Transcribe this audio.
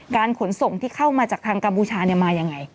การขนส่งที่เข้ามาจากทางกัมพูชาเนี่ยมาอย่างไร